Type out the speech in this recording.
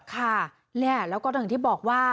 ค่ะและล่ะก็ต่อถึงที่บอกว่า